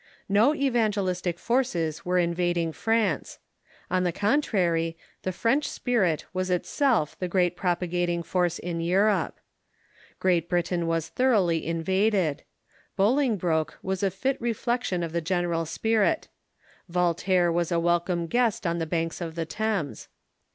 No evangelistic forces were invading France. On the contrary, the French spirit was it self the great propagating force in Europe. Great Britain was thoroughly invaded. Bolingbroke was a fit reflection of the general spirit. Voltaire was a welcome guest on the banks of the Thames.